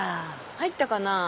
入ったかな？